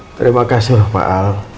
sudah menyelamatkan hidup saya